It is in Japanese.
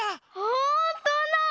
ほんとだ！